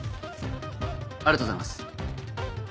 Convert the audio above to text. ありがとうございます。